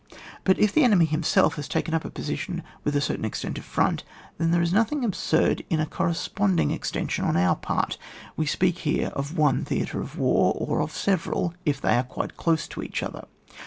But if the enemy himself has taken up a position with a certain extent of front, then there is nothing absurd in a corres ponding extension on our part. We speak here of one theatre of war, or of several, if they are quite close to each other.